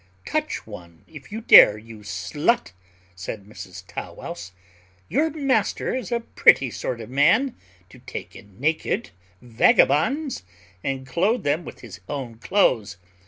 "Touch one if you dare, you slut," said Mrs Tow wouse: "your master is a pretty sort of a man, to take in naked vagabonds, and clothe them with his own clothes.